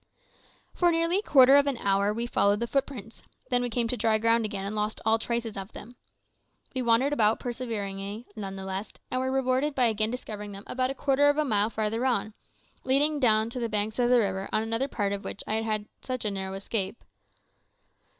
For nearly quarter of an hour we followed the footprints; then we came to dry ground again, and lost all traces of them. We wandered about perseveringly, nevertheless, and were rewarded by again discovering them about quarter of a mile farther on, leading down to the banks of the river on another part of which I had had such a narrow escape.